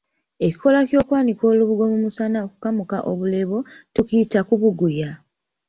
Ekikolwa ky’okwanika olubugo mu musana okukamuka obuleebo tukiyita Kubuguya.